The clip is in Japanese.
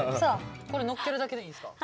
これのっけるだけでいいんすか？